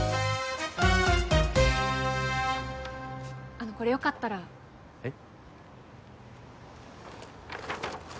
あのこれよかったらえっ？